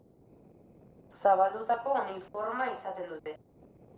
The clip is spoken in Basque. Zabaldutako onil forma izaten dute.